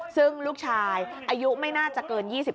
ซึ่งลูกชายอายุไม่น่าจะเกิน๒๕